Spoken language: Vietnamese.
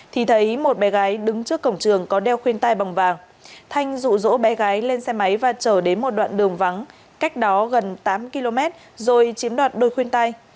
thì thấy một bé gái đứng trước cổng trường có đeo khuyên tai bòng vàng thanh dụ dỗ bé gái lên xe máy và chở đến một đoạn đường vắng cách đó gần tám km rồi chiếm đoạt đôi khuyên tai